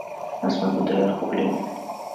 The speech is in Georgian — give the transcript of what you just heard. მას მემკვიდრე არ ჰყოლია.